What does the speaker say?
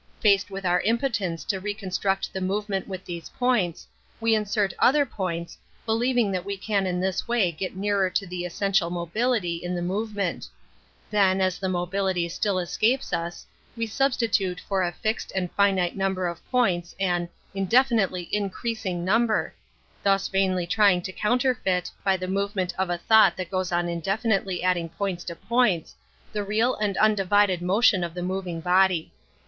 Faced with our impotence to reconstruct the move ment with these points, we insert other points, believing that we can in this way get nearer to the essential mobility in the movement. Then, as this mobility still es capes us, we substitute for a fixed and finite number of points an " indefinitely in creasing" number — thus vainly trying to counterfeit, by the movement of a thought that goes on indefinitely adding points to points, the real and undivided motion of the moving body.